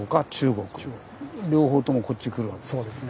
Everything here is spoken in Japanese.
両方ともこっち来るわけですよね。